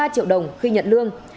ba triệu đồng khi nhận lương